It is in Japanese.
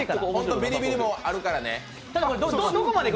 ビリビリもあるからね。